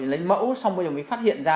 lấy mẫu xong bây giờ mới phát hiện ra